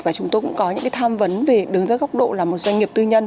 và chúng tôi cũng có những tham vấn về đứng tới góc độ là một doanh nghiệp tư nhân